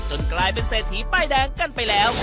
กลายเป็นเศรษฐีป้ายแดงกันไปแล้ว